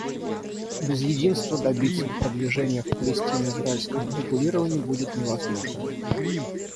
Без единства добиться продвижения в палестино-израильском урегулировании будет невозможно.